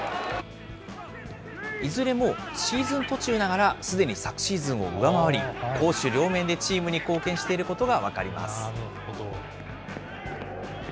いずれもシーズン途中ながら、すでに昨シーズンを上回り、攻守両面でチームに貢献していることが分かります。